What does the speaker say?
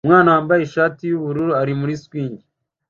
Umwana wambaye ishati yubururu ari muri swing